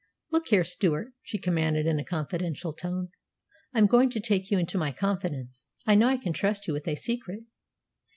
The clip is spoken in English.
"Look here, Stewart," she commanded in a confidential tone, "I'm going to take you into my confidence. I know I can trust you with a secret."